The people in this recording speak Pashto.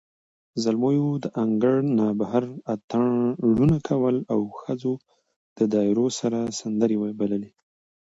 زلمیو د انګړ نه بهر اتڼونه کول، او ښځو د دایرو سره سندرې بللې.